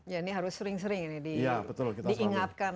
ya ini harus sering sering ini diingatkan